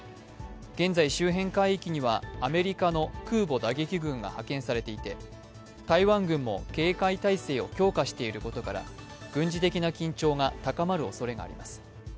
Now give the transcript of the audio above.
現在、周辺海域にはアメリカの空母打撃群が派遣されていて台湾軍も警戒態勢を強化していることから軍事的な緊張が高まるおそれがあります。